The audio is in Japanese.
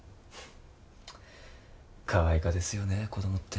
かわいかですよね子どもって。